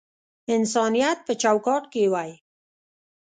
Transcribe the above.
انسانیت په چوکاټ کښی وی